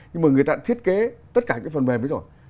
nhưng mà người ta thiết kế tất cả những cái phần mềm ấy rồi